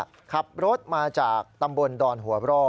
ขับรถมาจากตำบลดอนหัวร่อ